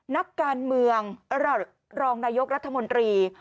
นักการเมืองรองนายกรัฐมนตรี